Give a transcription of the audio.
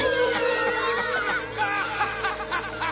ハハハ！